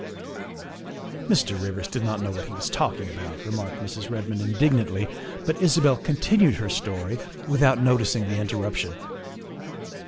''" Mr. Rivers did not know what he was talking about," remarked Mrs. Redmond indignantly, but Isabel continued her story without noticing the interruption.